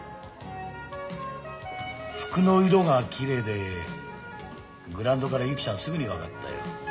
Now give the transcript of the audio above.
服の色がきれいでグラウンドからゆきちゃんすぐに分かったよ。